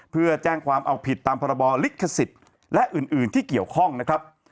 เพื่อแจ้งความเอาผิดตามพรบลิขสิทธิ์และอื่นที่เกี่ยวข้องนะครับ